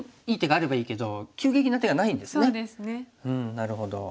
なるほど。